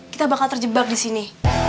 kita bakal terjebak di sini